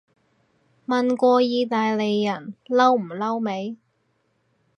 問過意大利人嬲唔嬲未